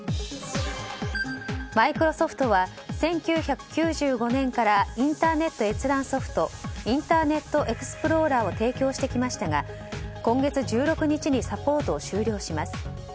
マイクロソフトは１９９５年からインターネット閲覧ソフトインターネットエクスプローラーを提供してきましたが今月１６日にサポートを終了します。